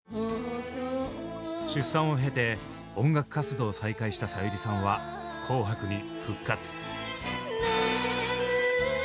出産を経て音楽活動を再開したさゆりさんは「紅白」に復活。